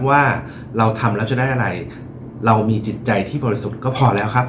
ว่าเราทำแล้วจะได้อะไรเรามีจิตใจที่บริสุทธิ์ก็พอแล้วครับ